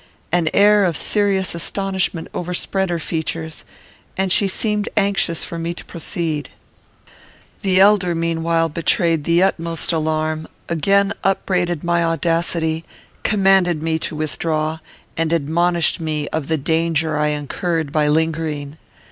An air of serious astonishment overspread her features, and she seemed anxious for me to proceed. The elder, meanwhile, betrayed the utmost alarm, again upbraided my audacity, commanded me to withdraw, and admonished me of the danger I incurred by lingering.